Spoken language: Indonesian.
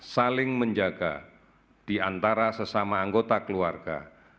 saling menjaga di antara sesama anggota keluarga